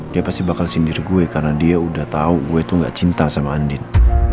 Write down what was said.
dia pasti bakal sindir gue karena dia udah tahu gue itu gak cinta sama andin